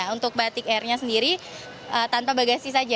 untuk batik airnya sendiri tanpa bagasi saja